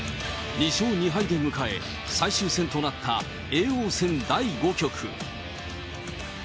２勝２敗で迎え、最終戦となった叡王戦第５局。